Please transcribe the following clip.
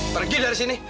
pergi dari sini